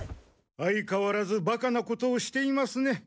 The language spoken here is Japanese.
相変わらずバカなことをしていますね。